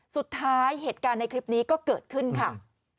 เหตุการณ์ในคลิปนี้ก็เกิดขึ้นค่ะ